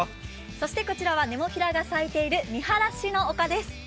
そしてこちらはネモフィラが咲いているみはらしの丘です。